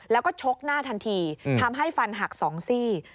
แล้วก็ชกหน้าทันทีทำให้ฟันหัก๒ซี่